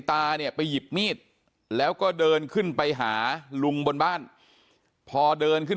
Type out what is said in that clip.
ตาเนี่ยไปหยิบมีดแล้วก็เดินขึ้นไปหาลุงบนบ้านพอเดินขึ้น